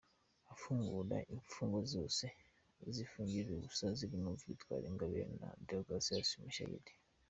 Afungura imfungwa zose zifungiye ubusa zirimo Victoire Ingabire na Deogratias Mushayidi